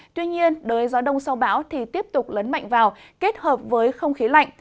tuy nhiên đới gió đông sau bão thì tiếp tục lấn mạnh vào kết hợp với không khí lạnh